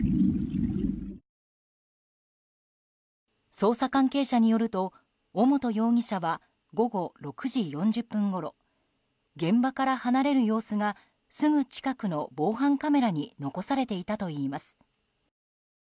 捜査関係者によると尾本容疑者は午後６時４０分ごろ現場から離れる様子がすぐ近くの防犯カメラに残されていたといいます。